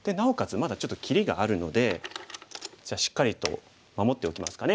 まだちょっと切りがあるのでじゃあしっかりと守っておきますかね